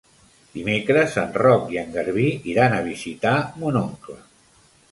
Dimecres en Roc i en Garbí iran a visitar mon oncle.